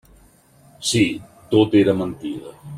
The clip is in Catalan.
Sí; tot era mentida.